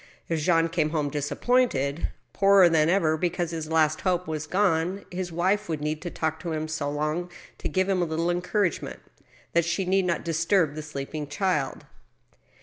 If Jean came home disappointed, poorer than ever because his last hope was gone, his wife would need to talk to him so long, to give him a little encouragement, that she need not disturb the sleeping chUd.